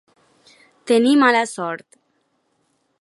Tenir mala sort.